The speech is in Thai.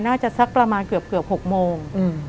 สักประมาณเกือบ๖โมง